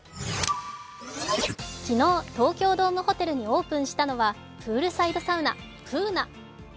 昨日、東京ドームホテルにオープンしたのはプールサイドサウナＰｏｏｎａ。